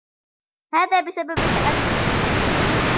هذا بسببك أنت.